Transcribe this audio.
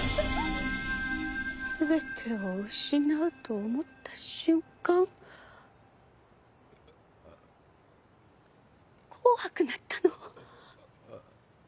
すべてを失うと思った瞬間怖くなったの。